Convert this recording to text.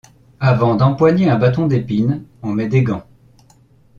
Avant d’empoigner un bâton d’épines, on met des gants.